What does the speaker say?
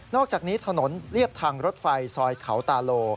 อกจากนี้ถนนเรียบทางรถไฟซอยเขาตาโล